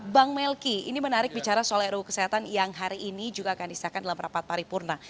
bang melki ini menarik bicara soal ruu kesehatan yang hari ini juga akan disahkan dalam rapat paripurna